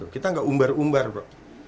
kita gak umbar umbar bro